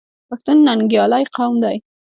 پښتون ننګیالی قوم دی.